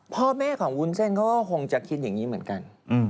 พ่อแม่ของวุ้นเส้นเขาก็คงจะคิดอย่างนี้เหมือนกัน